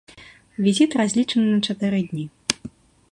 Візіт разлічаны на чатыры дні.